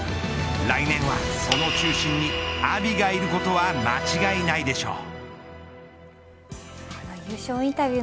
来年はその中心に阿炎がいることは間違いないでしょう。